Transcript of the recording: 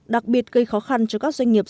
đặc biệt gây khó khăn cho các doanh nghiệp